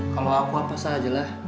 kalau aku apa sajalah